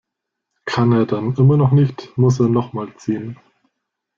Kann er dann immer noch nicht, muss er noch mal ziehen.